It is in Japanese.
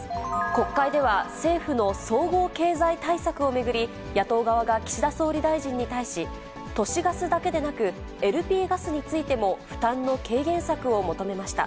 国会では政府の総合経済対策を巡り、野党側が岸田総理大臣に対し、都市ガスだけでなく、ＬＰガスについても負担の軽減策を求めました。